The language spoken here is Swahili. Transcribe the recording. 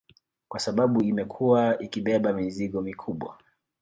Kwa sababu imekuwa ikibeba mizigo mikubwa